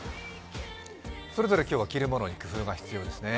それぞれ今日は着るものに工夫が必要なようですね。